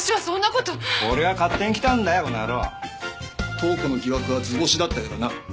塔子の疑惑は図星だったようだな。